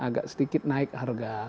agak sedikit naik harga